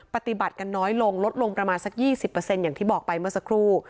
ปฏิบัติกันน้อยลงลดลงประมาณสัก๒๐อย่างที่บอกไปเมื่อสักครู่